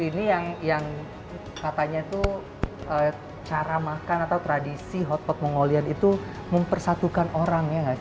ini yang katanya itu cara makan atau tradisi hotpot mongolian itu mempersatukan orang ya